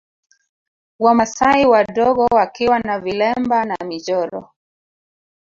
Wamasai wadogo wakiwa na vilemba na michoro